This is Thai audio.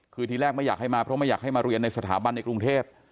คือทีแรกไม่อยากให้มาเพราะไม่อยากให้มาเรียนในสถาบันในกรุงเทพ